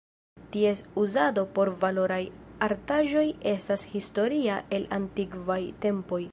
Ties uzado por valoraj artaĵoj estas historia el antikvaj tempoj.